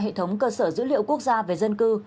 hệ thống cơ sở dữ liệu quốc gia về dân cư